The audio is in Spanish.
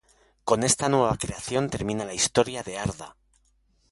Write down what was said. Con esta nueva creación termina la Historia de Arda.